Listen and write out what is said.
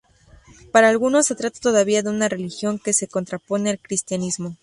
Para algunos, se trata todavía de una religión que se contrapone al cristianismo.